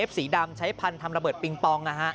สีดำใช้พันธุ์ทำระเบิดปิงปอง